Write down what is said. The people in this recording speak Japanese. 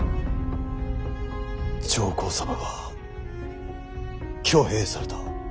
上皇様が挙兵された。